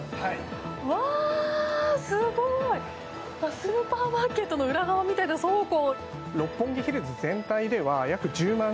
うわー、すごい！スーパーマーケットの裏側みたいな倉庫。